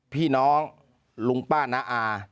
พี่น้องลุงป้าน้าอา